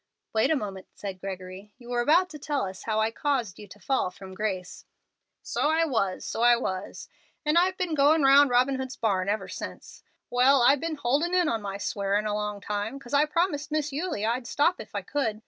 "Wait a moment," said Gregory. "You were about to tell us how I caused you to 'fall from grace.'" "So I was, so I was, and I've been goin' round Robin Hood's barn ever since. Well, I'd been holdin' in on my swearin' a long time, 'cause I promised Miss Eulie I'd stop if I could.